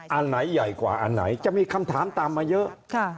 อันไหนใหญ่กว่าอันไหนจะมีคำถามตามมาเยอะ